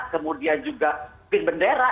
kemudian juga pin bendera